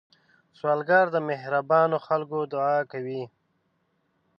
سوالګر د مهربانو خلکو دعا کوي